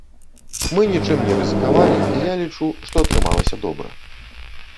Мы нічым не рызыкавалі, і я лічу, што атрымалася добра.